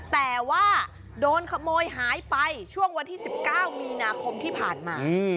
แต่ว่าโดนขโมยหายไปช่วงวันที่๑๙มีนาคมที่ผ่านมา